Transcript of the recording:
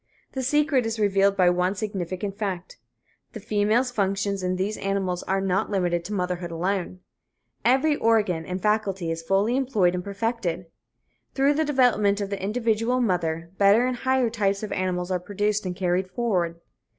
The secret is revealed by one significant fact the female's functions in these animal species are not limited to motherhood alone. Every organ and faculty is fully employed and perfected. Through the development of the individual mother, better and higher types of animals are produced and carried forward.